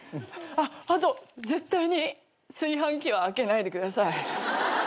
あと絶対に炊飯器は開けないでください。